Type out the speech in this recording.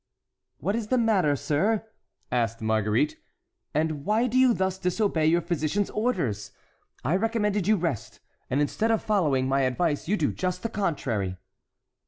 "What is the matter, sir?" asked Marguerite; "and why do you thus disobey your physician's orders? I recommended you rest, and instead of following my advice you do just the contrary."